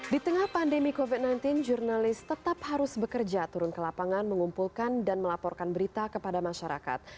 di tengah pandemi covid sembilan belas jurnalis tetap harus bekerja turun ke lapangan mengumpulkan dan melaporkan berita kepada masyarakat